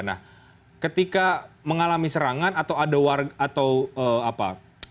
nah ketika mengalami serangan atau ada warga atau apa